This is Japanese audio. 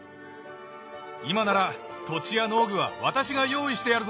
今なら土地や農具は私が用意してやるぞ！